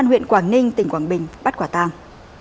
huyện quảng ninh tỉnh quảng bình bắt quả tàng